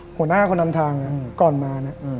หน้าผู้นำทางก่อนมา